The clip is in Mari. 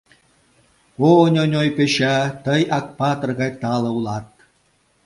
О, Ньоньой Пӧча, тый Акпатыр гай тале улат!